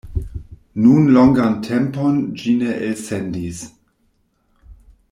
Nun longan tempon ĝi ne elsendis.